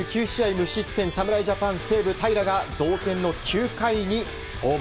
無失点侍ジャパン西武、平良が同点の９回に登板。